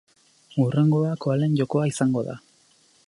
Hurrengo koalen jokoa izango da.